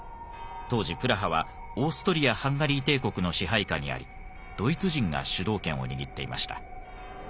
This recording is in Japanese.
当時プラハはオーストリア＝ハンガリー帝国の支配下にありドイツ人が主導権を握っていました。